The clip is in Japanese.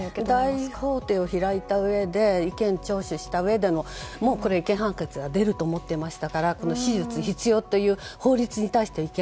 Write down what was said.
大法廷を開いたうえで意見聴取したうえで違憲判決が出ると思っていましたから手術必要という法律に対して違憲。